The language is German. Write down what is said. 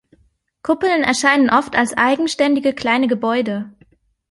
Kuppeln erscheinen oft als eigenständige kleine Gebäude.